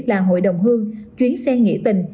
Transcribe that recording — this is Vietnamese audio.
là hội đồng hương chuyến xe nghỉ tình